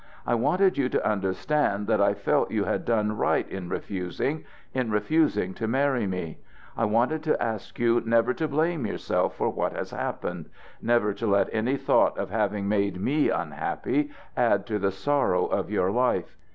I wanted you to understand that I felt you had done right in refusing in refusing to marry me. I wanted to ask you never to blame yourself for what has happened never to let any thought of having made me unhappy add to the sorrow of your life.